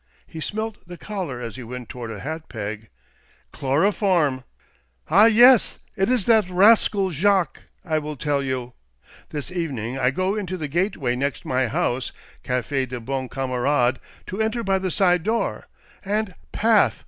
he smelt the collar as he went toward a hat peg. " Chloroform !" "Ah yes — it is that rrrascal Jacques! I will tell you. This evening I go into the gateway next my house — Cafe des Bons Camarades — to enter by the side door, and — paf !